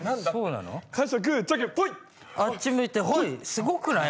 すごくない？